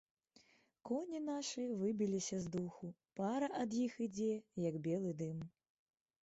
Коні нашы выбіліся з духу, пара ад іх ідзе, як белы дым.